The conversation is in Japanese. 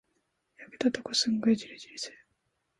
焼けたとこ、すんごいじりじりする。